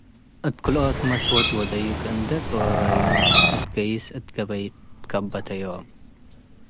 እት ክልኦት መስወድ ወደዩ፡ ከእንዶ ጾረዩ እት ገይስ እት ገበይ ትከበ'ተዮም።